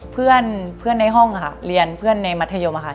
เพื่อนในห้องค่ะเรียนเพื่อนในมัธยมค่ะ